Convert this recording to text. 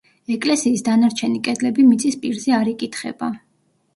ეკლესიის დანარჩენი კედლები მიწის პირზე არ იკითხება.